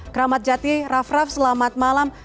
keramat jati raff raff selamat malam